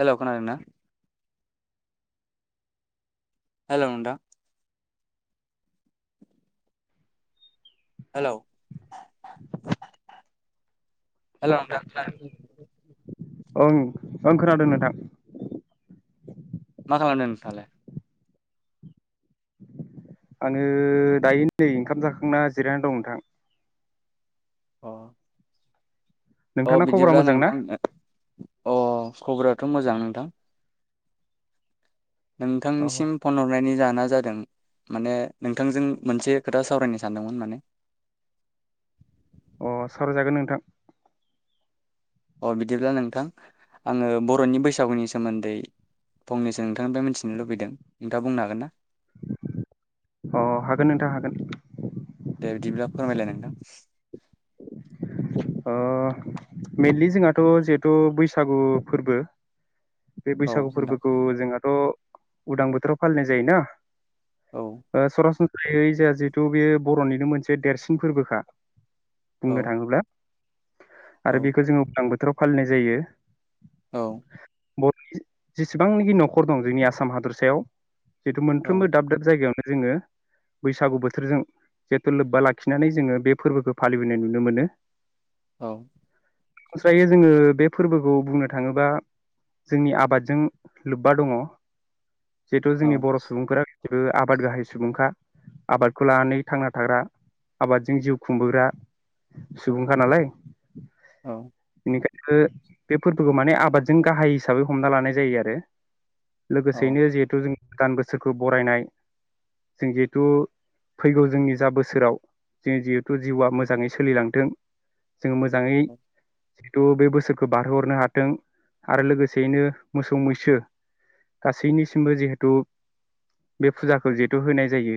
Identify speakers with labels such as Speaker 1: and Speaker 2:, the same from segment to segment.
Speaker 1: Hello खोनादोंना? Hello नोंथां। Hello. Hello नोंथां खोनादोंना?
Speaker 2: ओं ओं खोनादों नोंथां।
Speaker 1: मा खालामदो नोंथांङालाय?
Speaker 2: आङो दायो नै ओंखाम जाखांना जिरायनानै दं नोंथां।
Speaker 1: अह। अह
Speaker 2: नोंथांना खबरा
Speaker 1: बिदिब्ला
Speaker 2: मोजां ना
Speaker 1: नोंथां अह खबरा थ' मोजां नोंथां।
Speaker 2: अ
Speaker 1: नोंथांनिसिम फन हरनायनि जोहोना जा दों माने नोंथांजों मोनसे खोथा सावरायनो सानदोंमोन माने।
Speaker 2: अह सावराय जागोन नोंथां।
Speaker 1: अह बिदिब्ला नोंथां आङो बर'नि बैसागुनि सोमोन्दै फंनैसो नोंथांनिफ्राय मिथिनो लुबैदों नोंथाङा बुंनो हागोन ना?
Speaker 2: अह हागोन नोंथां हागोन।
Speaker 1: दे बिदिब्ला फोरमायलाय नोंथां।
Speaker 2: ओ मेइनलि जोंहाथ' जिहेथु बैसागु फोरबो बे
Speaker 1: औ
Speaker 2: बैसागु
Speaker 1: नोंथां
Speaker 2: फोरबोखौ जोंहा थ' उदां बोथोराव फालिनाय जायोना?
Speaker 1: औ
Speaker 2: ओ सरासन ओमफ्राय जोंहा जिहेथु बे बर'निनो मोनसे देरसिन फोरबोखा
Speaker 1: औ
Speaker 2: बुंनो थाङोब्ला
Speaker 1: औ
Speaker 2: आरो बेखौ जोङो उदां बोथोराव फालिनाय जायो
Speaker 1: औ
Speaker 2: बर'नि जेसेबांनाखि न'खर दं जोंनि आसाम हादरसायाव जिथु
Speaker 1: औ
Speaker 2: मोनफ्रोमबो दाब दाब जायगायावनो जोङो बैसागु बोथोरजों जिहेथु लोब्बा लाखिनानै जोङो बे फोरबोखौ फालियो फैनाय नुनो मोनो
Speaker 1: औ
Speaker 2: स्रायो जोङो बे फोरबोखौ बुंनो थाङोबा जोंनि आबादजों लोब्बा दङ जिहेथु जोंनि बर' सुबुंफोरा जेबो आबाद गाहाय सुबुंखा आबादखौ लानानै थांना थाग्रा आबादजों जिउ खुंबोग्रा सुबुंखा नालाय
Speaker 1: औ।
Speaker 2: बेखायनो बे फोरबोखौ माने आबादजों गाहाय हिसाबै हमना लानाय जायो आरो।
Speaker 1: औ
Speaker 2: लोगोसेयैनो जिहेथु जों गोदान बोसोरखौ बरायनाय जों जिहेथु फैगौ जोंनि जा बोसोराव जो जिहेथु जिउआ मोजाङै सोलिलांथों जोङो मोजाङै जिहेथु बे बोसोरखौ बारहोहरनो हाथों आरो लोगोसेयैनो मोसौ मैसो गासैनिसिमबो जिहेथु बे फुजाखौ जिहेथु होनाय जायो।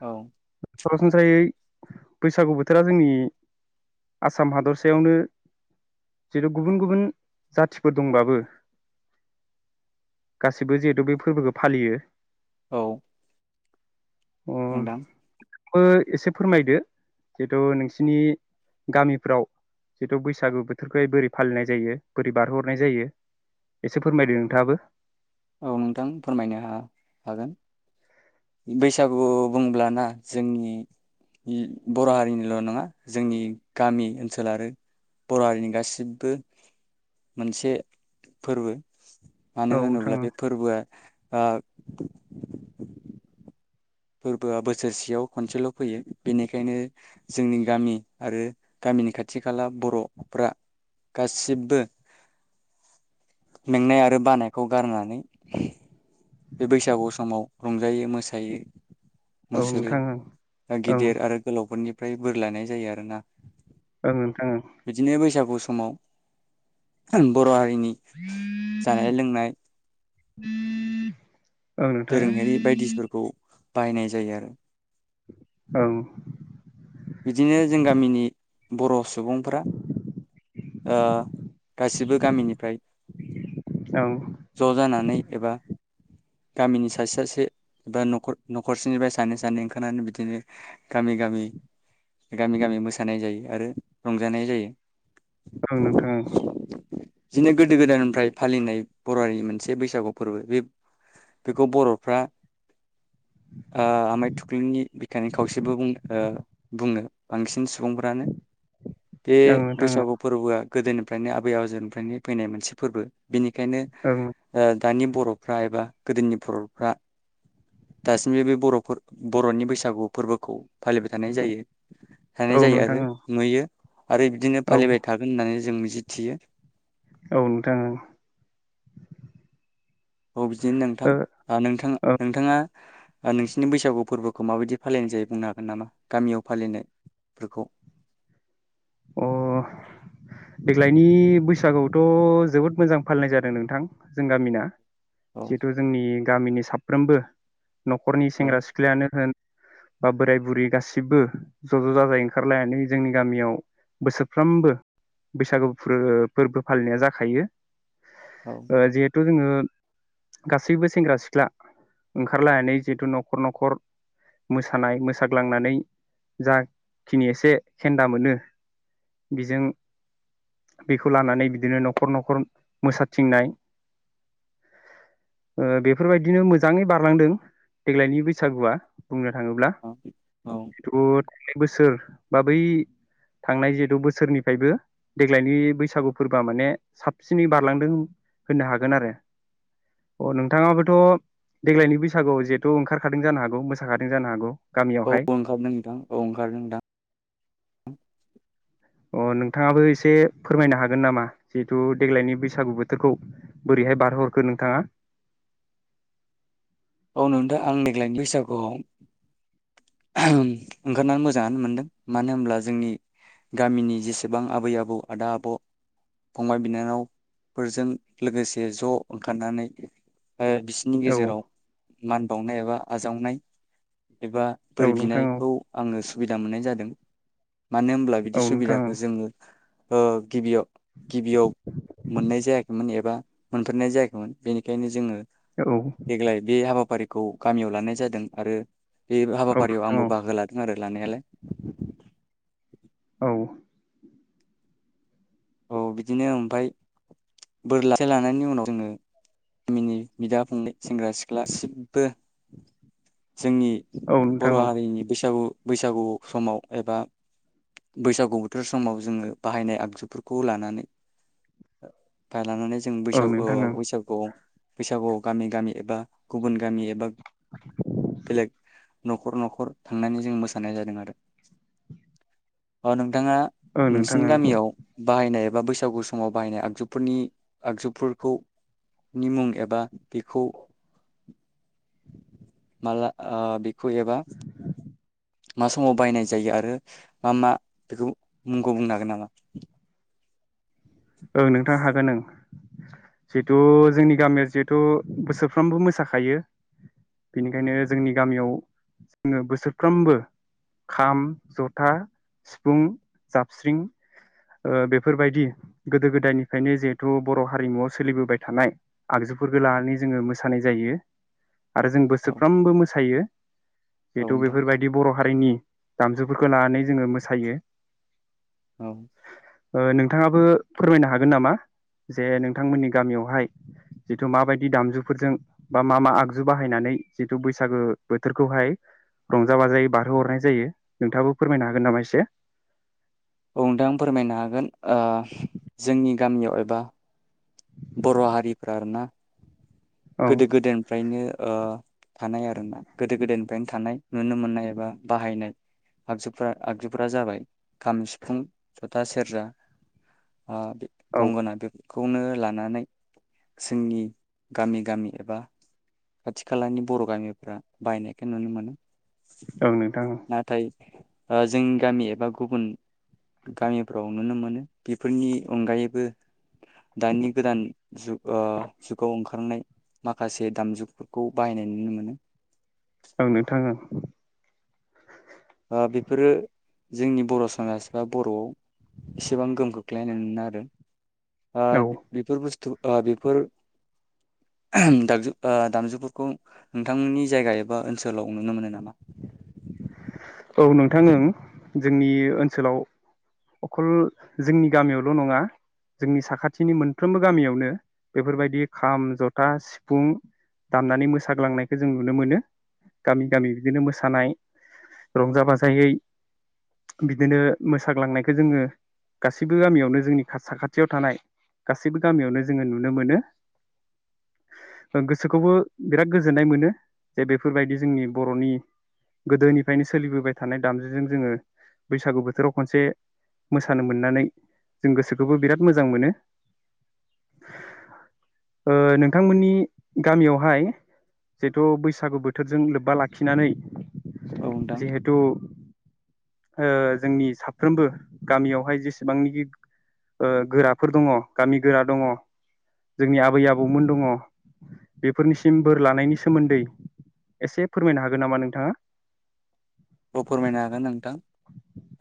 Speaker 1: औ
Speaker 2: बैसागु बोथोरा जोंनि आसाम हादरसायावनो जिहेतु गुबुन गुबुन जाथिफोर दंबाबो गासिबो जिहेतु बे फोरबोखौ फालियो।
Speaker 1: औ।
Speaker 2: अ
Speaker 1: नोंथां
Speaker 2: बो एसे फोरमायदो । जिहेथु नोंसिनि गामिफ्राव जिहतु बैसागु बोथोरखौहाय बोरै फालिनाय जायो बोरै बारहोहरनाय जायो एसे फोरमायदो नोंथाङाबो।
Speaker 1: औ नोंथां फोरमायनो हा-हागोन बैसागु बुंब्लाना जोंनि बर' हारिनिल' नङा जोंनि गामि ओनसोल आरो बर' हारिनि गासिबो मोनसे फोरबो। मानो होनोब्ला बे फोरबोआ ओ फोरबोआ बोसोरसेयाव खनसेल' फैयो बेनिखायनो जोंनि गामि आरो गामिनि खाथि खाला बर'फ्रा गासिबो मेंनाय आरो बानायखौ गारनानै बे बैसागु समाव रंजायो मोसायो
Speaker 2: औ नोंथां औ
Speaker 1: मुसोरो
Speaker 2: नोंथां ओं ओं
Speaker 1: गिदिर आरो गोलावफोरनि निफ्राय बोर लानाय जायो आरो ना।
Speaker 2: ओं नोंथां ओं
Speaker 1: बिदिनो बैसागु समाव जों बर' हारि नि जानाय लोंनाय
Speaker 2: [inaudible] ओं
Speaker 1: दोरोङारि बायदिसफोरखौ बायनाय जायो आरो।
Speaker 2: औ।
Speaker 1: बिदिनो जों गामिनि बर' सुबुंफ्रा ओ गासिबो गामिनिफ्राय
Speaker 2: ओं
Speaker 1: ज' जानानै एबा गामिनि सासे सासे एबा न'खर न'खरसेनिफ्राय सानै सानै ओंखारनानै बिदिनो गामि गामि गामि गामि मोसानाय जायो आरो रंजानाय जायो।
Speaker 2: ओं नोंथां ओं।
Speaker 1: दिनो गोदो गोदायनिफ्राय फालिनाय बर'हारिनि मोनसे बैसागु फोरबो बे बेखौ बर'फ्रा ओ आमाय थुख्लुनि बिखानि खावसेबो बुंनो ओ बुङो बांसिन सु बुंफ्रानो। बे
Speaker 2: ओं ओं नोंथां
Speaker 1: बैसागु फोरबोआ गोदोनिफ्रायनो आबै आजौनिफ्रायनो फैनाय मोनसे फोरबो बिनि बेखायनो ओ दानि बरफ्रा एबा गोदोनि बरफ्रा दासिमबो बे बरफोर बरनि बैसागु फोरबोखौ फालिबाय थानाय जायो थानाय
Speaker 2: ओं औ
Speaker 1: जायो
Speaker 2: नोंथां
Speaker 1: आरो
Speaker 2: ओं
Speaker 1: नुयो आरो बिदिनो
Speaker 2: औ
Speaker 1: फालिबाय थागोन होननानै जों मिज जि थियो
Speaker 2: औ नोंथां औ
Speaker 1: औ बिदिनो नोंथां आ नोंथां नोंथाङा ओ नोंसिनि बैसागु फोरबो खौ माबायदि फालिनाय जायो बुंनो हागोन नामा गामियाव फालिनायफोरखौ
Speaker 2: अ देग्लायनि बैसागोआवथ जोबोद मोजां फालिनाय जादों नोंथां जों गामिना
Speaker 1: औ
Speaker 2: जिथु जोंनि गामिनि साब फ्रोमबो नखरनि
Speaker 1: औ
Speaker 2: सेंग्रा सिख्लायानो होन बा बोराय बुरि गासिबबो ज ज जाजाय ओंखारलायनानै जोंनि गामियाव बोसोरफ्रोमबो बैसागु फोरो फोरबो फालिनाया जाखायो
Speaker 1: औ
Speaker 2: ओ जिहेतु जोंङो गासैबो सेंग्रा सिख्ला ओंखारलायनानै जिहेथु नखर नखर मोसानाय मोसाग्लांनानै जाखिनि एसे खेन्दा मोनो [inaudible] बिजों बेखौ लानानै बिदिनो नखर नखर मोसाथिंनाय ओ बेफोरबायदिनो मोजांङै बारलांदों देग्लायनि बैसागुआ बुंनो थांङोब्ला
Speaker 1: औ औ
Speaker 2: जिथु थांनाय बोसोर बा बै थांनाय जिहेथु बोसोरनिफ्रायबो देग्लायनि बैसागु फोरबोआ माने साबसिनै बारलांदों होननो हागोन आरो अ नोंथाङाबोथ देग्लायनि बैसागुआव जिहेथु ओंखारखादों जानो हागौ मोसाखादों जानो हागौ
Speaker 1: औ
Speaker 2: गामियावहाय
Speaker 1: ओंखारदों नोंदां औ ओंखारदों नोंथां
Speaker 2: अ नोंथाङाबो एसे फोरमायनो हागोन नामा जिहेथु देग्लायनि बैसागु बोथोरखौ बोरैहाय बारहोहरखो नोंथाङा
Speaker 1: औ नोंथां आं देग्लायनि बैसागुआव ओंखारनानै मोजांङानो मोनदों मानो होनब्ला जोंनि गामिनि जेसेबां आबै आबौ आदा आब फंबाय बिनानावफोरजों लोगोसे ज ओंखारनानै ओ बिसिनि
Speaker 2: औ
Speaker 1: गेजेराव मान बावनाय एबा आजावनाय एबा
Speaker 2: औ
Speaker 1: बोर
Speaker 2: नोंथां
Speaker 1: बिनाय
Speaker 2: औ
Speaker 1: खौ आंङो सुबिदा मोननाय जादों मानो होमब्ला बिदि
Speaker 2: औ नोंथां
Speaker 1: सुबिदाखौ
Speaker 2: औ
Speaker 1: जोंङो ‌ओ गिबियाव गिबिया‌‌ब मोननाय जायाखै मोन्नायाबा मोनफेरनाय जायाखैमोन बेनिखायनो जोंङो
Speaker 2: औ
Speaker 1: बे हाबाफारिखौ गामियाव लानाय जादों आरो बे
Speaker 2: औ
Speaker 1: हाबाफारियाव
Speaker 2: नोंथां
Speaker 1: आंबो बाहागो लादों आरो लानायालाय
Speaker 2: औ
Speaker 1: औ बिदिनो ओमफाय बोर लासो लानायनि उनाव जोंङो गामिनि बिदा फंबाय सेंग्रा सिख्ला सिबबो जोंनि
Speaker 2: औ नोंथां
Speaker 1: बर'
Speaker 2: औ
Speaker 1: हारिनि बैसागु बैसागु समाव एबा बैसागु बोथोर समाव जोङो बाहायनाय आगजुफोरखौ खौ लानानै लानानै जों
Speaker 2: औ
Speaker 1: बैसागु
Speaker 2: नोंथां ओं
Speaker 1: बैसागुआव बैसागुआव गामि गामि एबा गुबुन गामि एबा बेलेग न'खर न'खर थांनानै जों मोसानाय जादों आरो नों नोंथाङा
Speaker 2: औ नोंथां
Speaker 1: नोंसिनि
Speaker 2: ओं
Speaker 1: गामियाव बाहायनाय एबा बैसागु समाव बाहायनाय आगजुफोरनि आगजुफोरखौनि मुं एबा बेखौ माला फुयोबा मा समाव बाहायनाय जायो आरो मा मा बेखौ मुंखौ बुंनो हागोन नामा
Speaker 2: ओं नोंथां हागोन ओं जिहेथु जोंनि गामिया जिहेथु बोसोरफ्रामबो मोसाखायो बेनिखायनो जोंनि गामियाव जोङो बोसोरफ्रामबो खाम जथा सिफुं जाबस्रिं ओ बेफोरबायदि गोदो गोदायनिफ्रायनो जिहेथु बर' हारिमुवआव सोलिबोबाय थानाय आगजुफोरखौ लानानै जोङो मोसानाय जायो आरो जों
Speaker 1: औ
Speaker 2: बोसोरफ्रोमबो मोसायो
Speaker 1: औ
Speaker 2: बेथ'
Speaker 1: नोंथां
Speaker 2: बेफोरबायदि बर' हारिनि दामजुफोरखौ लानानै जोङो मोसायो
Speaker 1: औ
Speaker 2: ओ नोंथाङाबो फोरमायनो हागोन नामा जे नोंथांमोननि गामियावहाय जिथु माबायदि दामजुफोरजों बा मा मा आगजु बाहायनानै जिथु बैसागो बोथोरखौहाय रंजा बाजायै बारहो हरनाय जायो नोंथाङाबो फोरमायनो हागोन नामा एसे
Speaker 1: नोंथां फोरमायनो हागोन जोंनि गामियाव एबा बर' हारिफ्रा आरोना
Speaker 2: औ
Speaker 1: गोदो गोदायनिफ्रायनो ओ थानाय आरोना गोदो गोदायनिफ्रायनो थानाय नुनो मोननाय एबा बाहायनाय आगजुफ्रा आगजुफोरा जाबाय खाम सिफुं जथा सेरजा आ
Speaker 2: औ
Speaker 1: गंगोना बे खौनो लानो नानै जोंनि गामि गामि एबा खाथि खालानि बर' गामिफोरा बाहायनायखौ नुनो मोनो
Speaker 2: औ नोंथां
Speaker 1: नाथाय जोंनि गामि एबा गुबुन गामिफ्राव नुनो मोनो बेफोरनि अनगायैबो दानि गोदान जुग ओ जुगाव ओंखारनाय माखासे दामजुगफोरखौ बाहायनाय नुनो मोनो
Speaker 2: ओं नोंथा औ [inaudible]
Speaker 1: आ बेफोरो जोंनि बर' समाज बा बर'आव एसेबां गोहोम खोख्लैनाय नुनो मोना आरो
Speaker 2: औ
Speaker 1: आं
Speaker 2: औ
Speaker 1: बेफोर बुस्थ आ बेफोर दाज आ दामजुफोरखौ नोंथांनि जायगा एबा ओनसोलाव नुनो मोनो नामा
Speaker 2: औ नोंथां ओं जोंनि ओनसोलाव अखल जोंनि गामियावल' नङा जोंनि साखाथिनि मोनफ्रोमबो गामियावनो बेफोरबायदि खाम जथा सिफुं दामनानै मोसाग्लांनायखौ जों नुनो मोनो गामि गामि बिदिनो मोसानाय रंजा बाजायै बिदिनो मोसाग्लांनायखो जोङो गासैबो गामियावनो जोंनि साखाथियाव थानाय गासैबो गामियावनो जोङो नुनो मोनो गोसोखौबो बिराद गोजोननाय मोनो जे बेफोरबायदि जोंनि बर'नि गोदोनि ायनो सोलिबोबाय थानाय दामजुजों जोङो बैसागु बोथोराव खनसे मोसानो मोननानै जों गोसोखौबो बिराद मोजां मोनो ओ नोंथांमोनि गामियावहाय जिथु बैसागु बोथोरजों लोब्बा लाखिनानै
Speaker 1: औ नोंथां
Speaker 2: जिहेतु ओ जोंनि साफ्रोमबो गामियावहाय जेसेबांनिखि ओ गोराफोर दङ गामि गोरा दङ जोंनि आबै आबौमोन दङ बेफोरनिसिम बोर लानायनि सोमोन्दै एसे फोरमायनो हागोन नामा नोंथाङा
Speaker 1: औ फोरमायनो हागोन नोंथां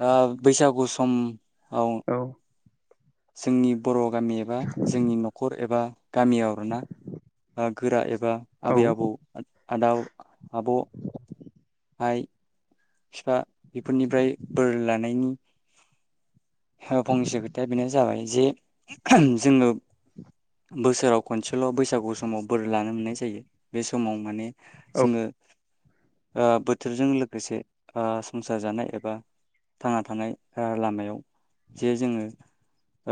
Speaker 1: आ बैसागु सम [unintelligible]
Speaker 2: औ
Speaker 1: जोंनि बर' गामि एबा जोंनि न'खर एबा गामियाव आरो ना गोरा ए एबा आबै आबौ
Speaker 2: औ
Speaker 1: आदा आब' आइ फिफा बेफोरनिफ्राय बोर लानायनि फंनैसो खोथाया बेनो जाबाय जे जोङो बोसोराव खनसेल' बैसागु समाव बोर लानो मोननाय जायो बे समाव माने
Speaker 2: औ
Speaker 1: जोङो ओ बोथोरजों लोगोसे आ संसार जानाय एबा थांना थानाय लामायाव जे जोङो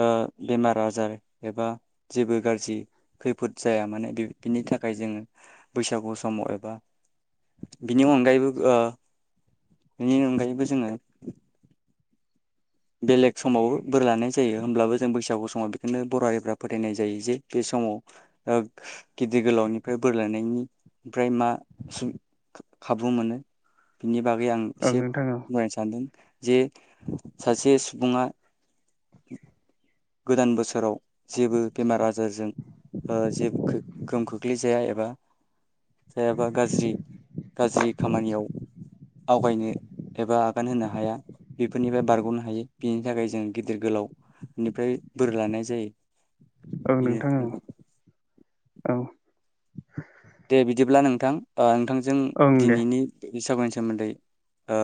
Speaker 1: ओ बेमार आजार एबा जेबो गाज्रि खैफोद जाया माने बिनि थाखाय जोङो बैसागु समाव एबा बिनि अनगायैबो बिनि ओ अनगायैबो जोङो बेलेग समावबो बोर लानाय जायो होमब्लाबो जों बैसागु समाव बेखौनो बर' हारिफ्रा फोथायनाय जायो जे बे समाव ओ गिदिर गोलावनिफ्राय बोर लानायनि फ्राय मा खाबु मोनो बिनि बागै आं
Speaker 2: ओं
Speaker 1: एसे
Speaker 2: नोंथां औ
Speaker 1: बुंनो सानदों । जे सासे सुबुङा गोदान बोसोराव जेबो बेमार आजारजों ओ जे गोहोम खोख्लैजाया एबा जायाबा गाज्रि गाज्रि खामानियाव आवगायनो एबा आगान होनो हाया बेफोरनिफ्राय बारग'नो हायो बिनि थाखाय जों गिदिर गोलाव निफ्राय बोर लानाय जायो
Speaker 2: ओं नोंथां ओं
Speaker 1: बेनो
Speaker 2: औ । [unintelligible]
Speaker 1: दे बिदिब्ला नोंथां ओ नोंथां जों
Speaker 2: ओं दे
Speaker 1: दिनैनि बैसागुनि सोमोन्दै ओ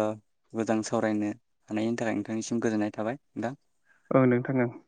Speaker 1: मोजां सावरायनो हानायनि थाखाय नोंथांनिसिम गोजोननाय थाबाय नोंथां ।
Speaker 2: ओं नोंथां ओं ।